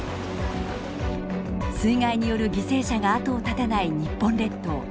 水害による犠牲者が後を絶たない日本列島。